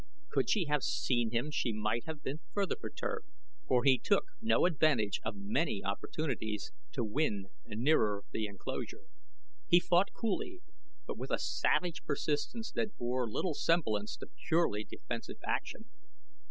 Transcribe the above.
Could she have seen him she might have been further perturbed, for he took no advantage of many opportunities to win nearer the enclosure. He fought coolly, but with a savage persistence that bore little semblance to purely defensive action.